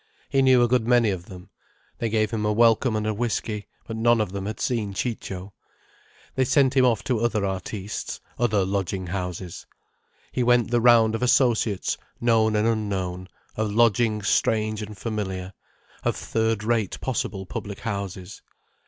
He knew a good many of them. They gave him a welcome and a whiskey—but none of them had seen Ciccio. They sent him off to other artistes, other lodging houses. He went the round of associates known and unknown, of lodgings strange and familiar, of third rate possible public houses.